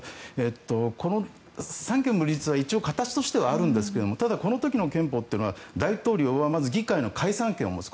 この三権分立は一応、形としてはあるんですがただ、この時の憲法というのは大統領は議会の解散権を持つ。